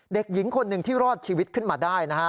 เด็กหญิงคนหนึ่งที่รอดชีวิตขึ้นมาได้นะฮะ